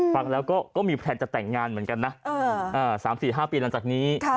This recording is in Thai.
ฟังแล้วก็มีแพลนจะแต่งงานเหมือนกันนะ๓๔๕ปีหลังจากนี้